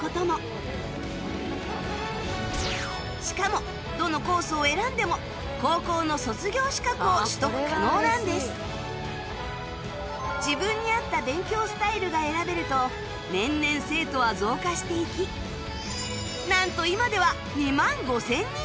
しかもどのコースを選んでも自分に合った勉強スタイルが選べると年々生徒は増加していきなんと今では２万５０００人以上！